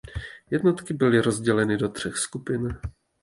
Jednotky byly rozděleny do třech skupin.